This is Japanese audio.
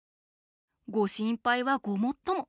ご心配はごもっとも。